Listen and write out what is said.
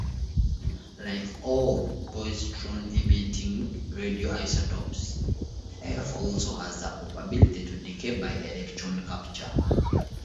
Like all positron-emitting radioisotopes, F also has a probability to decay by electron capture.